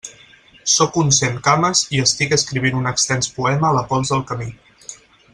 Sóc un centcames i estic escrivint un extens poema a la pols del camí.